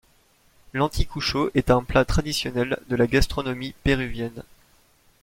L’anticucho est un plat traditionnel de la gastronomie péruvienne.